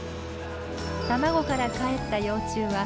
卵からかえった幼虫は足が６本。